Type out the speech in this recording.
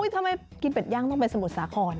ถ้าไม่กินเป็ดย่างต้องไปสมุทรสาคร